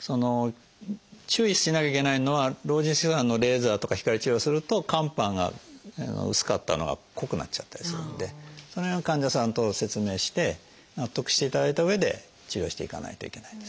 その注意しなきゃいけないのは老人性色素斑のレーザーとか光治療をすると肝斑が薄かったのが濃くなっちゃったりするんでその辺は患者さんと説明して納得していただいたうえで治療していかないといけないですね。